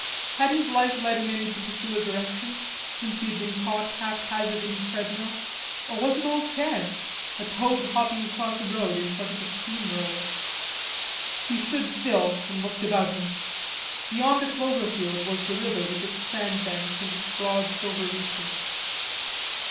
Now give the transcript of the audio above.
Had his life led in any particular direction, since he had been caught haphazard in the treadmill, or was it all chance? A toad hopping across a road in front of a steam roller. He stood still, and looked about him. Beyond a clover field was the river with its sand banks and its broad silver reaches.